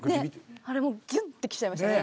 あれもうギュンってきちゃいましたね。